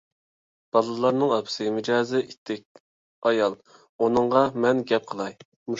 بالىلارنىڭ ئاپىسى مىجەزى ئىتتىك ئايال، ئۇنىڭغا مەن گەپ قىلاي.